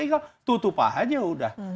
nah itu tupah aja udah